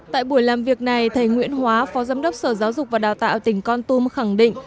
tại buổi làm việc này thầy nguyễn hóa phó giám đốc sở giáo dục và đào tạo tỉnh con tum khẳng định